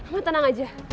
mama tenang aja